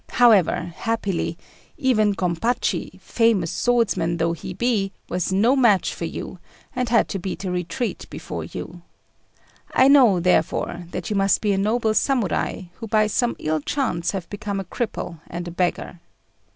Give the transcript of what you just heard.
However, happily, even Gompachi, famous swordsman though he be, was no match for you, and had to beat a retreat before you. I know, therefore, that you must be a noble Samurai, who by some ill chance have become a cripple and a beggar.